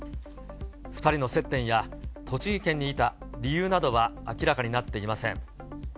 ２人の接点や栃木県にいた理由などは明らかになっていません。